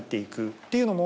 っていうのも。